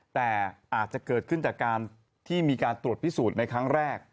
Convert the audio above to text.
แต่อาจจะเกิดขึ้นจากการที่มีการตรวจพิสูจน์ในครั้งแรก